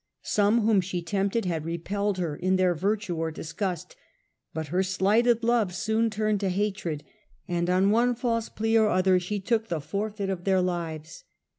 Some whom she tempted '^^^'onncss. had repelled her in their virtue or disgust, but her slighted love soon ttmied to hatred, and on one false plea or other she took the forfeit of their lives.